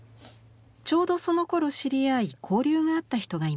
ちょうどそのころ知り合い交流があった人がいます。